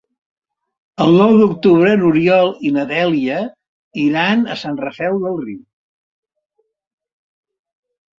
El nou d'octubre n'Oriol i na Dèlia iran a Sant Rafel del Riu.